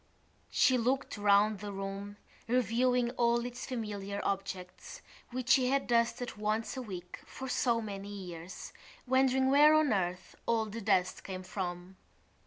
She looked round the room, reviewing all its familiar objects which she had dusted once a week for so many years, wondering where on earth all the dust came from.